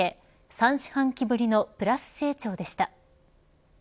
３四半期ぶりのプラス成長でした。